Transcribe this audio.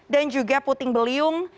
dan juga puting beliung